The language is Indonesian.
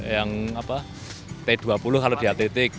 yang t dua puluh kalau di atletik